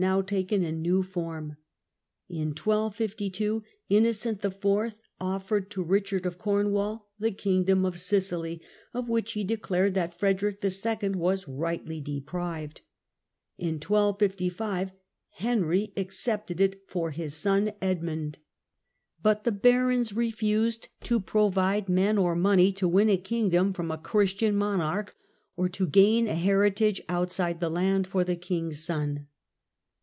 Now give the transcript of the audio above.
now taken a new form. In 1252 Innocent IV. offered to Richard of Corn wall the kingdom of Sicily, of which he declared that Frederick II. was rightly deprived. In 1255 Henry accepted it for his son Edmund. But the barons refused to provide men or money to win a kingdom from a Chnstian monarch, or to gain a heritage outside the land, for the king's son.